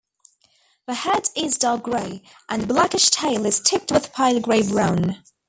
The head is dark grey, and the blackish tail is tipped with pale grey-brown.